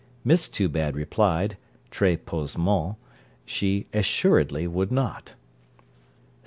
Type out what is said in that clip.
Miss Toobad replied, très posément, she assuredly would not.